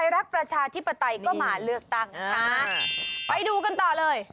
เริ่มต่อเลย